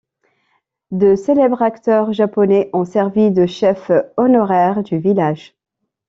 De célèbres acteurs japonais ont servi de chef honoraire du village.